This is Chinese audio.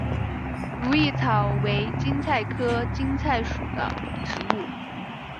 如意草为堇菜科堇菜属的植物。